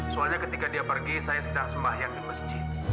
soalnya ketika dia pergi saya sedang sembahyang di masjid